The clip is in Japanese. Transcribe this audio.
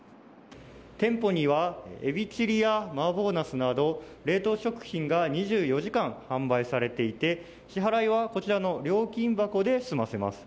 店舗にはエビチリや麻婆ナスなど冷凍食品が２４時間販売されていて支払いはこちらの料金箱で済ませます。